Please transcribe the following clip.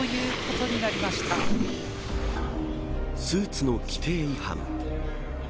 スーツの規定違反。